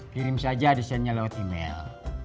kirim saja desainnya lewat email